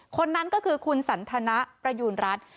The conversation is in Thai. คนนั้นก็คือคุณสันทนะประยูณรัฐ